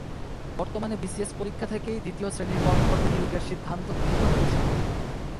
বর্তমানে বিসিএস পরীক্ষা থেকেই দ্বিতীয় শ্রেণির কর্মকর্তা নিয়োগের সিদ্ধান্ত গৃহীত হয়েছে।